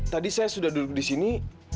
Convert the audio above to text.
tadi saya sudah duduk disini